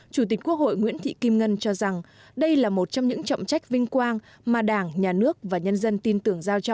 chủ tịch quốc hội nguyễn thị kim ngân cho rằng đây là một trong những trọng trách vinh quang mà đảng nhà nước và nhân dân tin tưởng giao cho